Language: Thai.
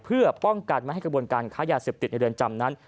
เพื่อป้องกันไม่ให้กระบวนการค้ายาเสพติดในเรือนจำนั้น